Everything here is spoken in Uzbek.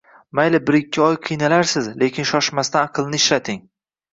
Mayli bir-ikki oy qiynalarsiz, lekin shoshmasdan aqlni ishlating